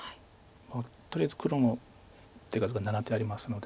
とりあえず黒の手数が７手ありますので。